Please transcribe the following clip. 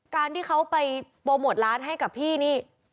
การที่เขาไปโปรโมทร้านให้กับพี่นี่